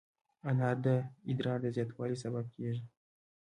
انار د ادرار د زیاتوالي سبب کېږي.